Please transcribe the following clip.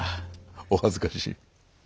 お恥ずかしい。